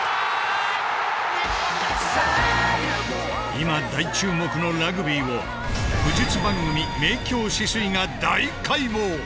今大注目のラグビーを武術番組「明鏡止水」が大解剖。